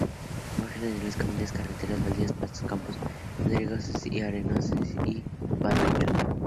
Márgenes de los caminos y carreteras, baldíos, pastos, campos pedregosos o arenosos y barbechos.